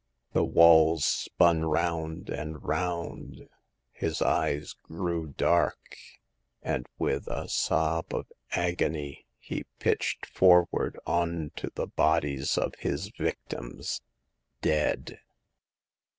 The walls spun round and round, his eyes grew dark, and with a sob of agony he pitched forward on to the bodies of his victims — dead.